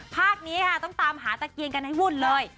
ภาคนี้ค่ะต้องตามหาตะเกียงกันให้วุ่นเลย